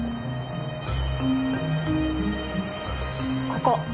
ここ。